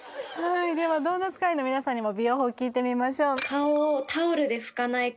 ではドーナツ会員の皆さんにも美容法聞いてみましょうえっ